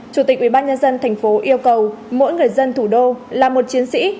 chủ tịch ủy ban nhân dân tp hcm yêu cầu mỗi người dân thủ đô là một chiến sĩ